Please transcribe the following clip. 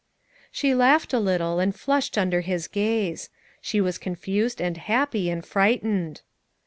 She laughed a little, and flushed under his gaze. She was confused and happy and fright ened.